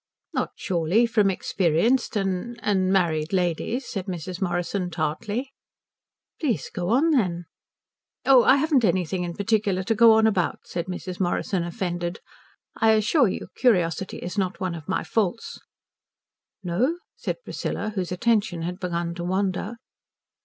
"Not, surely, from experienced and and married ladies," said Mrs. Morrison tartly. "Please go on then." "Oh, I haven't anything particular to go on about," said Mrs. Morrison, offended. "I assure you curiosity is not one of my faults." "No?" said Priscilla, whose attention had begun to wander.